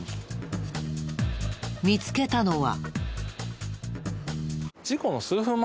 見つけたのは。